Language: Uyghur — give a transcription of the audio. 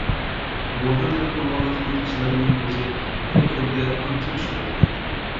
يولدىن يىراق بولغانلىقتىن كىشىلەرنىڭ كۆزى بۇ كۆلگە ئانچە چۈشمەيدىكەن.